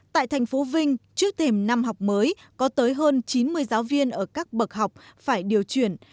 tại thành phố vinh trước thềm năm học mới có tới hơn chín mươi giáo viên ở các bậc học phải điều chuyển